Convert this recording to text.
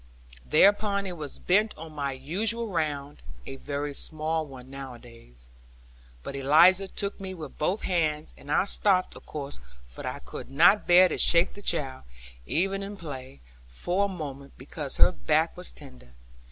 Thereupon I was bent on my usual round (a very small one nowadays), but Eliza took me with both hands, and I stopped of course; for I could not bear to shake the child, even in play, for a moment, because her back was tender.